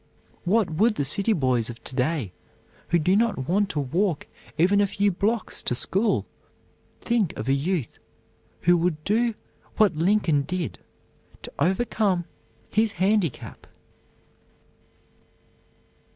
What would the city boys of to day, who do not want to walk even a few blocks to school, think of a youth who would do what Lincoln did to overcome his handicap?